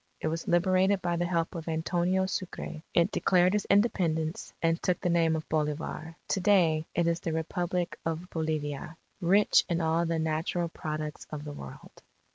It was liberated by the help of Antonio Sucre. It declared its Independence, and took the name of Bolivar. To day it is the Republic of Bolivia, "rich in all the natural products of the world."